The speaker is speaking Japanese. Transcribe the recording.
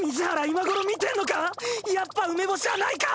今頃見てんのか⁉やっぱ梅干しはないか！